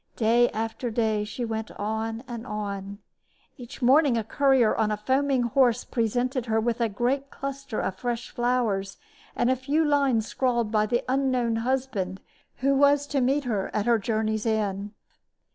Day after day she went on and on. Each morning a courier on a foaming horse presented her with a great cluster of fresh flowers and a few lines scrawled by the unknown husband who was to meet her at her journey's end.